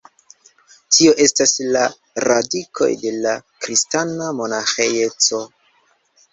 Tio estas la radikoj de la kristana monaĥeco.